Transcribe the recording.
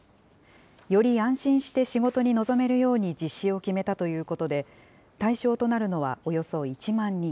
より安心して仕事に臨めるように実施を決めたということで、対象となるのはおよそ１万人。